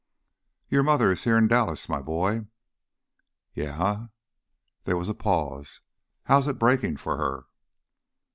"Your mother is here in Dallas, my boy." "Yeah?" There was a pause. "How's it breaking for her?"